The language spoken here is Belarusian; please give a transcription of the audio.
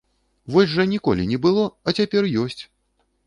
Вось жа ніколі не было, а цяпер ёсць!